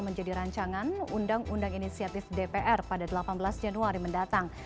menjadi rancangan undang undang inisiatif dpr pada delapan belas januari mendatang